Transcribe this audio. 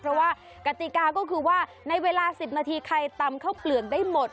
เพราะว่ากติกาก็คือว่าในเวลา๑๐นาทีใครตำข้าวเปลือกได้หมด